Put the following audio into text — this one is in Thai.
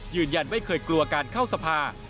ยืนยันไม่เคยกลัวการเข้าสภา